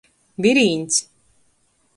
Virīņs.